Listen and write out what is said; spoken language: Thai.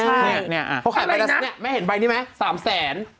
เขาขายไปแล้วแม่เห็นใบนี้ไหมสามแสนอะไรนะ